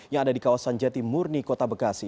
yang ada di kawasan jati murni kota bekasi